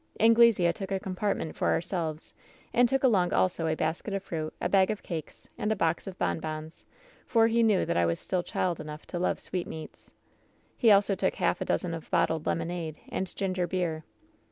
"Anglesea took a compartment for ourselves, and took along also a basket of fruit, a bag of cakes, and a box of bonbons, for he knew that I was still child enough to love sweetmeats. He also took half a dozen of bottled lemonade and ginger beer.